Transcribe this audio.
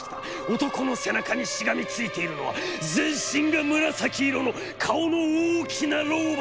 男の背中にしがみついているのは、全身が紫色の顔の大きな老婆でした。